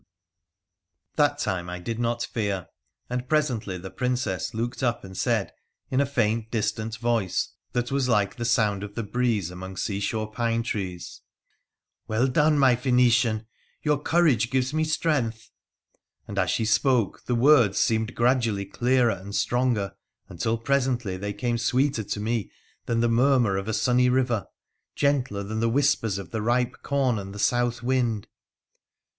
PI1RA THE PIICENICIAN S9 That Lime I did not fear, and presently the Princess looked up and said, in a faint, distant voice, that was like the sound of the breeze among seashore pine trees —' Well done, my Phoenician ! Your courage gives me strength.' And as she spoke the words seemed gradually clearer and stronger, until presently they came sweeter to me than the murmur of a sunny river — gentler than the whispers of the ripe corn and the south wind.